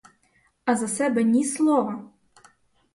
А за себе ні слова!